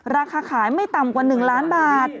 ราคาขายไม่ต่ำกว่า๑ล้านบาท